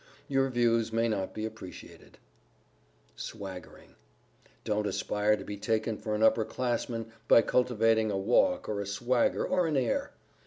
Your views may not be appreciated. [Sidenote: SWAGGERING] Don't aspire to be taken for an upper classman by cultivating a walk or a swagger or an air.